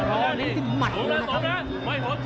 รอเล็งสิ้นมัดเลยนะครับ